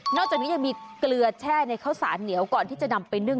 จากนี้ยังมีเกลือแช่ในข้าวสารเหนียวก่อนที่จะนำไปนึ่ง